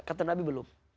kata nabi belum